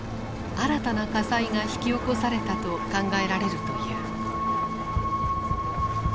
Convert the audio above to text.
新たな火災が引き起こされたと考えられるという。